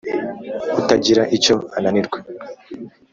utagira icyo ananirwa,